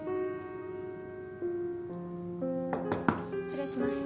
・・失礼します。